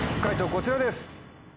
こちらです。